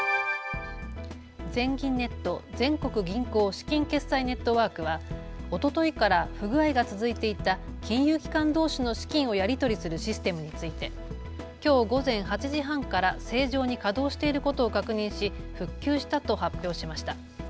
全銀ネット・全国銀行資金決済ネットワークはおとといから不具合が続いていた金融機関どうしの資金をやり取りするシステムについてきょう午前８時半から正常に稼働していることを確認し復旧したと発表しました。